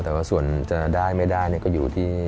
แต่ว่าส่วนจะได้ไม่ได้ก็อยู่ที่